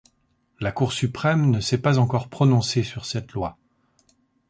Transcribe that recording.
La Cour Suprême ne s'est pas encore prononcée sur cette loi.